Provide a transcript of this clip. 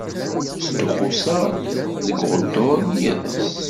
Ttduqquseɣ-d deg uɣeddur n yiḍes.